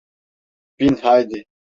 Bin haydi.